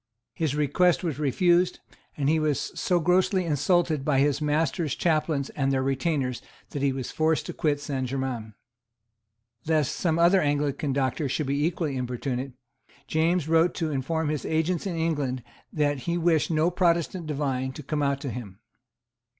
His request was refused; and he was so grossly insulted by his master's chaplains and their retainers that he was forced to quit Saint Germains. Lest some other Anglican doctor should be equally importunate, James wrote to inform his agents in England that he wished no Protestant divine to come out to him.